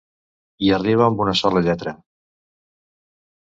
Hi arriba amb una sola lletra.